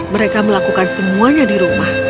mereka melakukan semuanya di rumah